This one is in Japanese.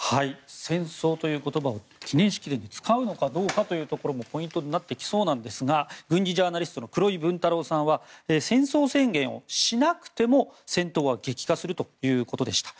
戦争という言葉を記念式典で使うのかどうかもポイントになってきそうなんですが軍事ジャーナリストの黒井文太郎さんは戦争宣言をしなくても、戦闘は激化するということでした。